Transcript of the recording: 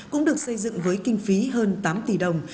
cũng được xây dựng với kinh phí hơn tám tỷ đồng